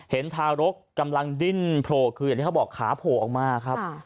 ทารกกำลังดิ้นโผล่คืออย่างที่เขาบอกขาโผล่ออกมาครับ